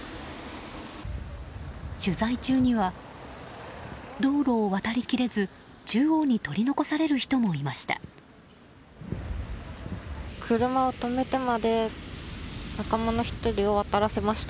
取材中には、道路を渡り切れず中央に取り残される人もいました。